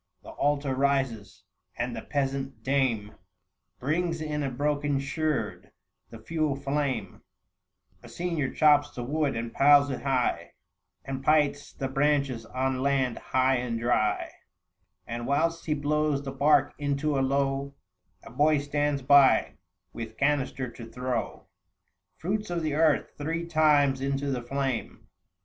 The altar rises, and the peasant dame 690 Brings in a broken sherd the fuel flame ; A senior chops the wood and piles it high, And pights the branches on land high and dry ; And whilst he blows the bark into a lowe, A boy stands by, with canister, to throw 695 Fruits of the earth three times into the flame.